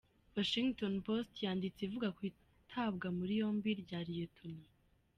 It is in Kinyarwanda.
Washingtonpost yanditse ivuga ko itabwa muri yombi rya Lt.